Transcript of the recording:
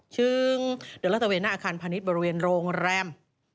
จึงเดินลาดตะเวนหน้าอาคารพาณิชย์บริเวณโรงแรม